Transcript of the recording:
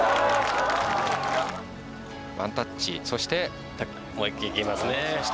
ワンタッチそして思いっきりいきますね。